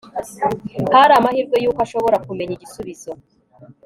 Hari amahirwe yuko ashobora kumenya igisubizo